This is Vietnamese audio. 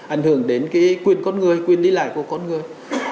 ảnh hưởng đến cái quyền con người quyền lý lại của con người